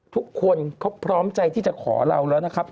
ทุกคนเขาพร้อมใจที่จะขอเราแล้วนะครับ